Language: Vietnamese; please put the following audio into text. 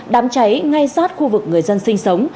đám cháy ngay sát khu vực người dân sinh sống